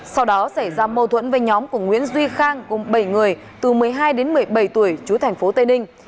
sau đó xảy ra mâu thuẫn với nhóm của nguyễn duy khang cùng bảy người từ một mươi hai đến một mươi bảy tuổi chú thành phố tây ninh